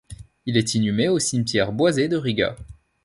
Il est inhumé au cimetière boisé de Riga.